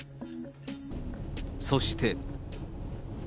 そして。